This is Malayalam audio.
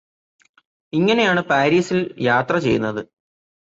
ഇങ്ങനെയാണ് പാരിസിൽ യാത്ര ചെയ്യുന്നത്